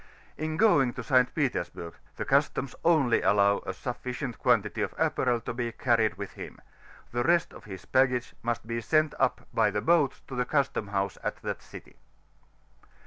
In going to St. Petersburg, the Customs only allow a sufficient quantity of apparel to be earned with him ; the rest of his baggage must be sent up by the boats to the custom house at that dty.